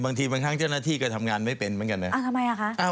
บางทีบางครั้งเจ้าหน้าที่ก็ทำงานไม่เป็นเหมือนกันเนี่ย